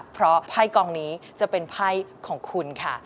เพราะไพ่กองนี้จะเป็นไพ่ของคุณค่ะ